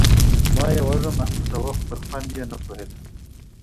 ما يې وږم محسوساوه خو پر خوند يې نه پوهېدم.